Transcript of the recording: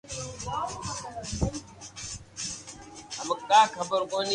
او چور ڪي آ ھومو تو اوڀو ھي